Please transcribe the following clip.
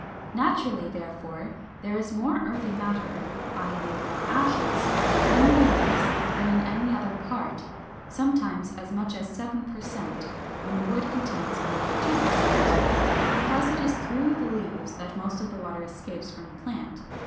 Naturally, therefore, there is more earthy matter (i. e. more ashes) in the leaves than in any other part (sometimes as much as seven per cent, when the wood contains only two per cent); because it is through the leaves that most of the water escapes from the plant.